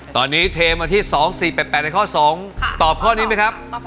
ตอนนี้เทมาที่๒๔๘๘ในข้อ๒ตอบข้อนี้ไหมครับ